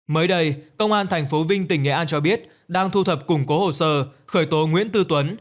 mới đây công an tp vinh tỉnh nghệ an cho biết đang thu thập củng cố hồ sơ khởi tố nguyễn tư tuấn